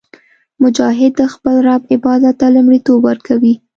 مجاهد د خپل رب عبادت ته لومړیتوب ورکوي.